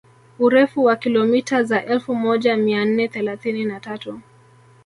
Urefu wa kilomita za elfu moja mia nne thelathini na tatu